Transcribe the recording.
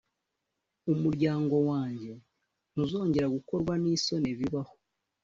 Umuryango wanjye ntuzongera gukorwa n’isoni bibaho!